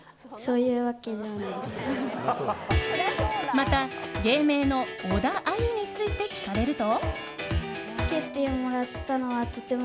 また芸名の小田愛結について聞かれると。